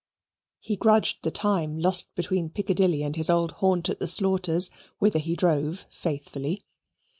He grudged the time lost between Piccadilly and his old haunt at the Slaughters', whither he drove faithfully.